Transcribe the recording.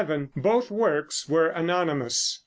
Both works were anonymous.